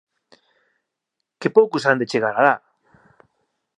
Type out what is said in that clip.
Que poucos han de chegar alá!